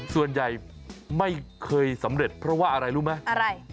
ส่วนใหญ่ไม่เคยสำเร็จเพราะว่าอะไรรู้ไหมอะไร